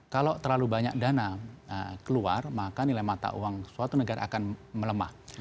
kalau terlalu banyak dana keluar maka nilai mata uang suatu negara akan melemah